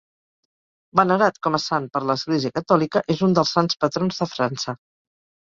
Venerat com a sant per l'Església catòlica, és un dels sants patrons de França.